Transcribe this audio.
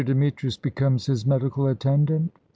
Demetrius becomes his medical attendant?"